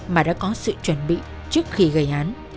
mà đã có sự chuẩn bị trước khi gây án